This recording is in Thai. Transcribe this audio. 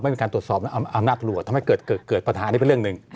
เป็นการตรวจสอบอำนาจรวจทำให้เกิดปัญหานี้เป็นเรื่องหนึ่ง